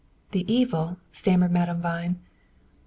"The evil " stammered Madame Vine.